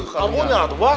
kau punya tuh pak